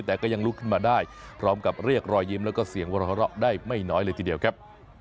แต่ก็ยังลุกขึ้นมาได้พร้อมกับเรียกรอยยิ้มแล้วก็เสียงวระได้ไม่น้อยเลยทีเดียวครับ